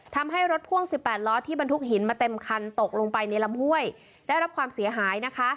ทำให้รถพ่วง๑๘ล้อที่บรรทุกหินมาเต็มคันตกลงไปในลำห้วยได้รับความเสียหายนะคะ